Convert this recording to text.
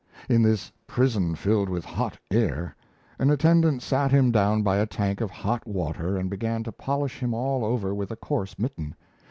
In this prison filled with hot air, an attendant sat him down by a tank of hot water and began to polish him all over with a coarse mitten.